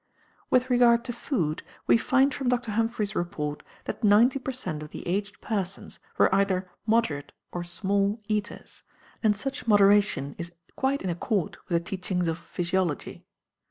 With regard to food, we find from Dr. Humphry's report that ninety per cent. of the aged persons were either "moderate" or "small" eaters, and such moderation is quite in accord with the teachings of physiology.